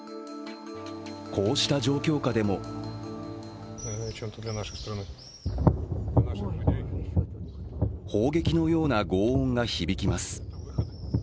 こうした状況下でも砲撃のようなごう音が響きます。